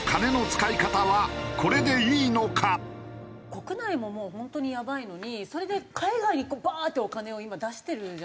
国内ももう本当にやばいのにそれで海外にバーッてお金を今出してるじゃないですか。